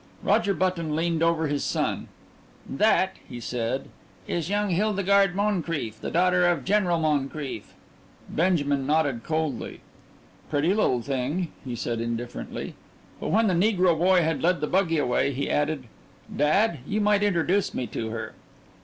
Roger Button leaned over to his son. "That," he said, "is young Hildegarde Moncrief, the daughter of General Moncrief." Benjamin nodded coldly. "Pretty little thing," he said indifferently. But when the negro boy had led the buggy away, he added: "Dad, you might introduce me to her."